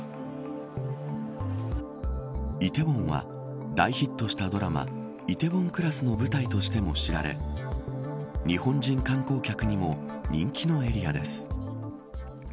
梨泰院は大ヒットしたドラマ梨泰院クラスの舞台としても知られ日本人観光客にも人気のエリアです。